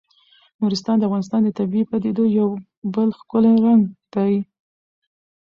نورستان د افغانستان د طبیعي پدیدو یو بل ښکلی رنګ دی.